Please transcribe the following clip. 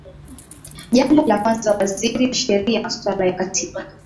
jambo la kwanza waziri wa sheria masuala ya katiba